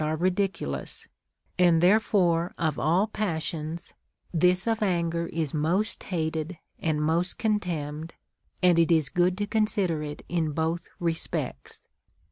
are ridiculous ; and therefore of all passions, this of anger is iTiost hated and most contemned, and it is good to con sider it in both respects.